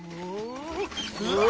うわ！